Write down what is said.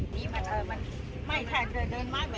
ข้าวสองด้วยครับ